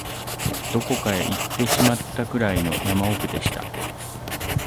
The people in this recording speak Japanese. どこかへ行ってしまったくらいの山奥でした